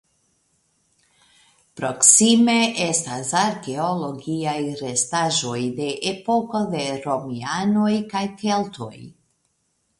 Proksime estas arkeologiaj restaĵoj de epoko de romianoj kaj keltoj.